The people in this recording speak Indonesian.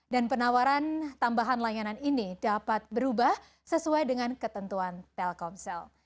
dan penawaran tambahan layanan ini dapat berubah sesuai dengan ketentuan telkomsel